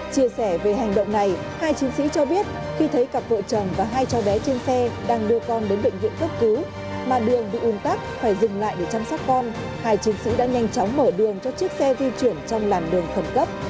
chia sẻ về hành động này hai chiến sĩ cho biết khi thấy cặp vợ chồng và hai cháu bé trên xe đang đưa con đến bệnh viện cấp cứu mà đường bị un tắc phải dừng lại để chăm sóc con hai chiến sĩ đã nhanh chóng mở đường cho chiếc xe di chuyển trong làn đường khẩn cấp